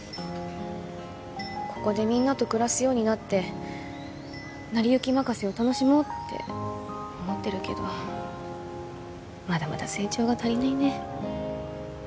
ここでみんなと暮らすようになって成り行き任せを楽しもうって思ってるけどまだまだ成長が足りないね